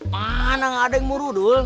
mana gak ada yang muru dulu